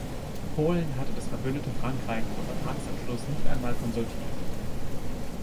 Polen hatte das verbündete Frankreich vor Vertragsabschluss nicht einmal konsultiert.